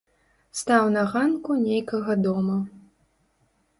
Стаў на ганку нейкага дома.